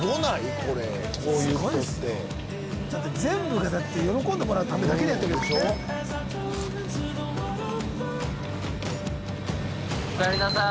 これこういう人って全部がだって喜んでもらうためだけにやってるわけでしょお帰りなさい